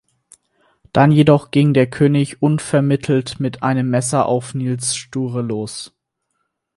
Dann jedoch ging der König unvermittelt mit einem Messer auf Nils Sture los.